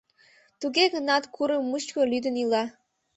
Туге гынат курым мучко лӱдын ила.